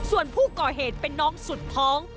ส่วนผู้ก่อเหตุเป็นน้องสุดท้อง